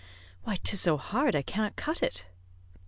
"Why, 'tis so hard, I cannot cut it."